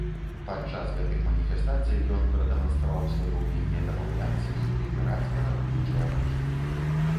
Падчас гэтых маніфестацый ён прадэманстраваў сваё ўменне дамаўляцца і прыміраць варагуючыя бакі.